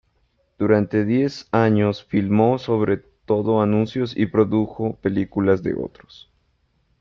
Durante diez años filmó sobre todo anuncios y produjo películas de otros.